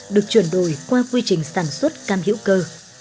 được chuyển đổi qua quy trình sản xuất cam hữu cơ